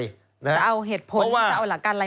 จะเอาเหตุผลว่าจะเอาหลักการอะไร